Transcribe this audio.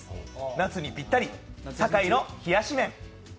夏にぴったりサカイの冷やし麺。